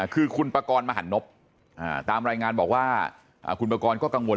คือคุณปากรมหันนบตามรายงานบอกว่าคุณปกรณ์ก็กังวล